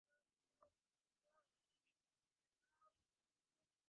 বঙ্গবন্ধুর শাহাদতবার্ষিকীতে এ বিষয়ে দুটি প্রতিবেদন প্রথম আলোয় পড়ুন আজ ও আগামীকাল।